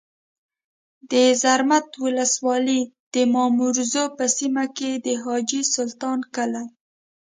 د زرمت ولسوالۍ د ماموزو په سیمه کي د حاجي سلطان کلی